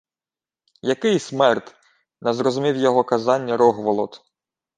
— Який смерд? — не зрозумів його казання Рогволод.